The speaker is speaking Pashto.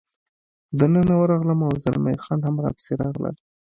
دننه ورغلم، او زلمی خان هم را پسې راغلل.